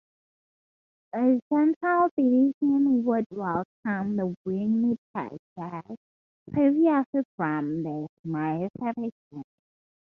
The Central Division would welcome the Winnipeg Jets, previously from the Smythe Division.